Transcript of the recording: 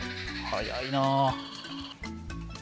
早いな。